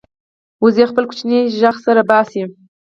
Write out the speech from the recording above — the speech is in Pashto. وزې خپل کوچنی غږ سره باسي